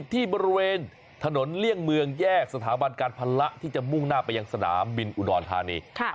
ที่บริเวณถนนเลี่ยงเมืองแยกสถาบันการพละที่จะมุ่งหน้าไปยังสนามบินอุดรธานี